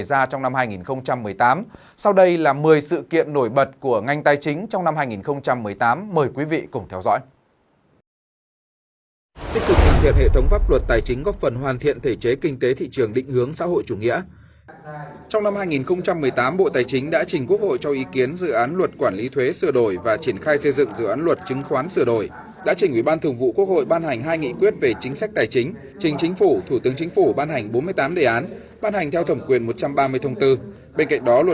đây là một mươi sự kiện nổi bật của ngành tài chính trong năm hai nghìn một mươi tám mời quý vị cùng theo dõi